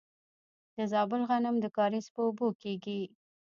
د زابل غنم د کاریز په اوبو کیږي.